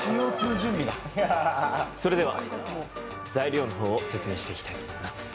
それでは、材料の方を説明していきたいと思います。